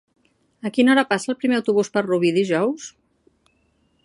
A quina hora passa el primer autobús per Rubí dijous?